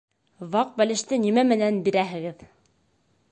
Ваҡ бәлеште нимә менән бирәһегеҙ?